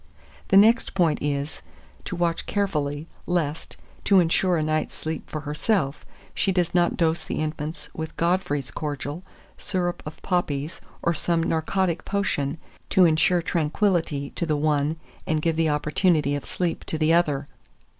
The next point is, to watch carefully, lest, to insure a night's sleep for herself, she does not dose the infant with Godfrey's cordial, syrup of poppies, or some narcotic potion, to insure tranquillity to the one and give the opportunity of sleep to the other.